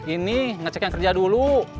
ini ngecek yang kerja dulu